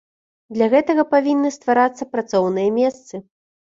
Для гэтага павінны стварацца працоўныя месцы.